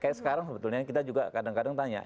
kayak sekarang sebetulnya kita juga kadang kadang tanya